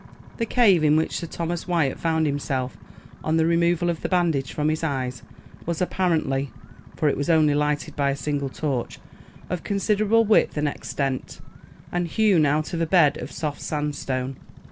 THE cave in which Sir Thomas Wyat found himself, on the removal of the bandage from his eyes, was apparently for it was only lighted by a single torch of considerable width and extent, and hewn out of a bed of soft sandstone.